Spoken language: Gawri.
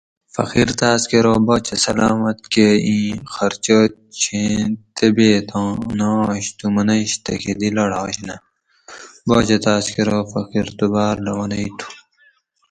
فقیر تاۤس کہ ارو باچہ سلامت کہ اِیں خرچہ چھیں طِبیتاں نہ آش تو منش تھکہ دی لاڑاش نہ باچہ تاۤس کہ ارو فقیر تُو باۤر لونئ تھُو